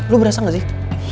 lo berasa gak sih